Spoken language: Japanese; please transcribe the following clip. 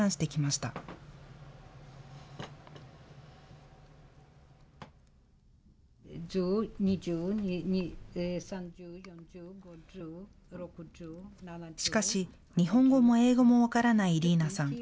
しかし、日本語も英語も分からないイリーナさん。